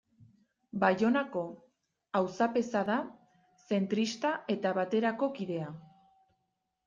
Baionako auzapeza da, zentrista eta Baterako kidea.